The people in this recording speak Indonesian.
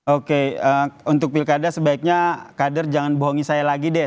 oke untuk pilkada sebaiknya kader jangan bohongi saya lagi deh